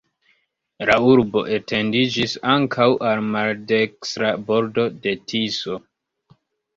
La urbo etendiĝis ankaŭ al maldekstra bordo de Tiso.